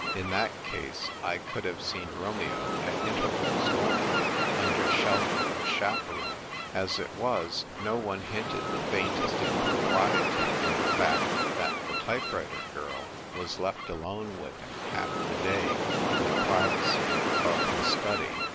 In that case, I could have seen Romeo at intervals only, under shelter of a chaperon ; as it was, no one hinted the faintest impropriety in the fact that the type writer girl was left alone with him half the day in the privacy of his CONCERNING ROMEO. 14I Study.